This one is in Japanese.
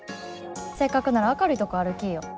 せっかくなら明るいとこ歩きいよ。